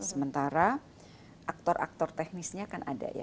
sementara aktor aktor teknisnya kan ada ya